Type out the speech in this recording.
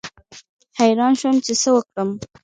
حیران شوم چې څه وکړم.